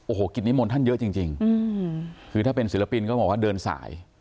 โอ้โหกิจนิมนต์ท่านเยอะจริงคือถ้าเป็นศิลปินก็บอกว่าเดินสาย